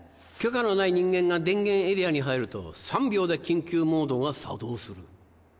許可のない人間が電源エリアに入ると３秒で緊急モードが作動する。